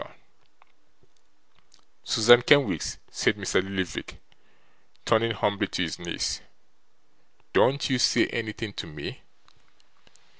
'Susan Kenwigs,' said Mr. Lillyvick, turning humbly to his niece, 'don't you say anything to me?